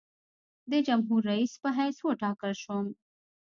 د جمهورریس په حیث وټاکل شوم.